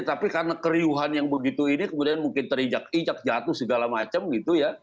tapi karena keriuhan yang begitu ini kemudian mungkin terinjak injak jatuh segala macam gitu ya